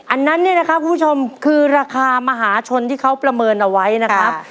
อันนั้นเนี่ยนะครับคุณผู้ชมคือราคามหาชนที่เขาประเมินเอาไว้นะครับ